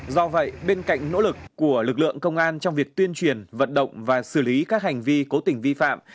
do vậy bên cạnh nỗ lực của lực lượng công an trong việc tuyên truyền vận động và xử lý các hành vi cố tình vi phạm